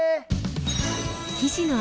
生地の味